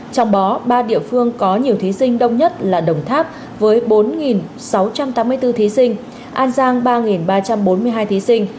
trong đó ba địa phương có nhiều thí sinh đông nhất là đồng tháp với bốn sáu trăm tám mươi bốn thí sinh an giang ba ba trăm bốn mươi hai thí sinh